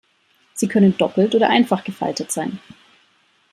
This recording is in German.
Sie können doppelt oder einfach gefaltet sein.